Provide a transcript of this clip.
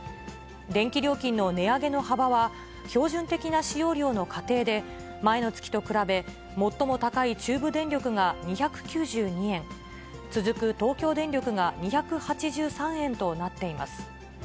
電気料金の値上げの幅は、標準的な使用料の家庭で、前の月と比べ、最も高い中部電力が２９２円、続く東京電力が２８３円となっています。